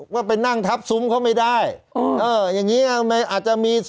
ว่าไปนั่งทับซุ้มเขาไม่ได้เอออย่างงี้อ่ะมันอาจจะมี